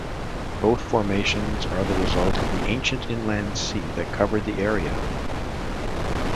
Both formations are the result of the ancient inland sea that covered the area.